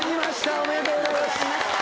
おめでとうございます。